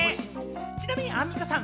ちなみにアンミカさん。